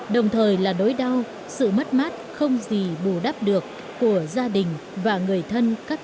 đồng thời là đối đao sự mất mát không gì bù đắp được của gia đình và người thân các đồng chí